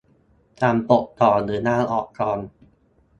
สั่งปลดก่อนหรือลาออกก่อน